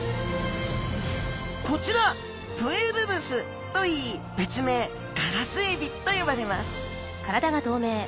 こちらプエルルスといい別名ガラスエビと呼ばれます